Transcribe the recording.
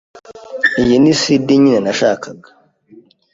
Iyi ni CD nyine nashakaga.